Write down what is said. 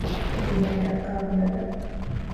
ދުނިޔެ ދައްކާ ކުލަތައް